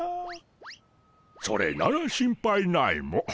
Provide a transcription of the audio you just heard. それなら心配ないモ。